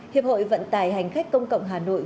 hiệp hội vận tải hành khách công cộng hà nội